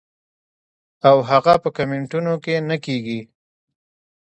او هغه پۀ کمنټونو کښې نۀ کيږي -